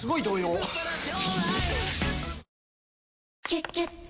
「キュキュット」